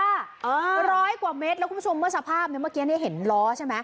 ร้อยกว่าเมตรแล้วคุณผู้ชมเมื่อสภาพเนี้ยเมื่อกี้เนี่ยเห็นล้อใช่ไหม